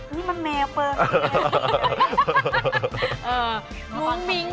นี่มันเมล์เปิง